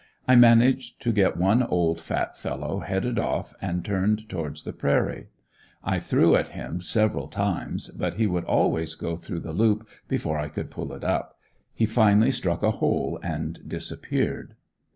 I managed to get one old fat fellow headed off and turned towards the prairie. I threw at him several times but he would always go through the loop before I could pull it up. He finally struck a hole and disappeared.